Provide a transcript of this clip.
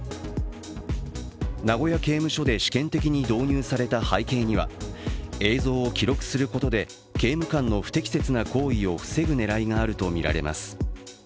名古屋刑務所で試験的に導入された背景には映像を記録することで刑務官の不適切な行為を防ぐ狙いがあるとみられます。